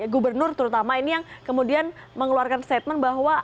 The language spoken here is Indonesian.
gubernur terutama ini yang kemudian mengeluarkan statement bahwa